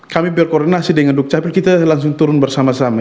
kami berkoordinasi dengan duk capil kita langsung turun bersama sama